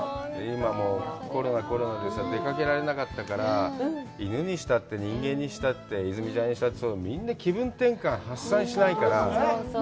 今もうコロナ、コロナで出かけられなかったから、犬にしたって人間にしたって泉ちゃんにしたってそう、みんな気分転換、発散しないから。